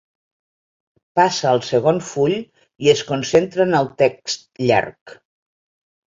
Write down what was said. Passa al segon full i es concentra en el text llarg.